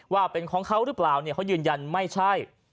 ว่าเป็นของเขาหรือเปล่าเขายืนยันไม่ใช่